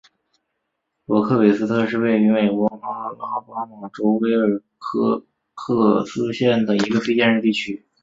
罗克韦斯特是位于美国阿拉巴马州威尔科克斯县的一个非建制地区。